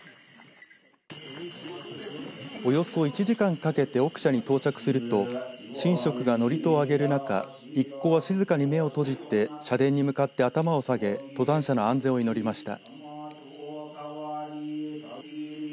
およそ１時間かけて奥社に到着すると神職が祝詞をあげる中一行は静かに目を閉じて社殿に向かって頭を下げ登山者の安全を祈りました。